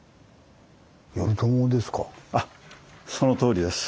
あっそのとおりです。